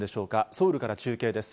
ソウルから中継です。